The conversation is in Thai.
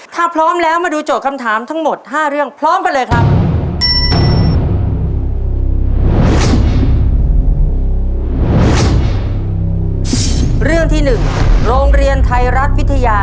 ถ้าพร้อมแล้วมาดูโจทย์คำถามทั้งหมด๕เรื่องพร้อมกันเลยครับ